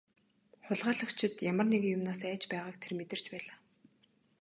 Хулгайлагчид ямар нэгэн юмнаас айж байгааг тэр мэдэрч байлаа.